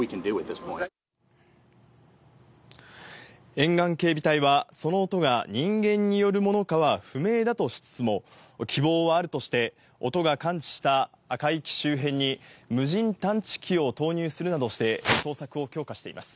沿岸警備隊は、その音が人間によるものかは不明だとしつつも、希望はあるとして、音が感知した海域周辺に、無人探知機を投入するなどして、捜索を強化しています。